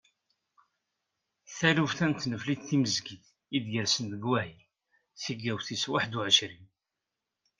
Taluft-a n tneflit timezgit i d-yersen deg wahil tigawt tis waḥedd u ɛecrin.